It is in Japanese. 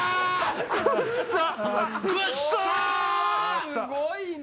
すごいな。